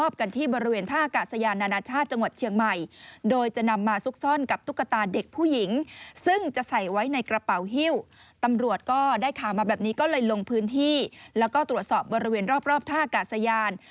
แบบนี้ก็เลยลงพื้นที่แล้วก็ตรวจสอบบริเวณรอบท่าอากาศยาน